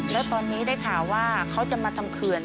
แล้วตอนนี้ได้ข่าวว่าเขาจะมาทำเขื่อน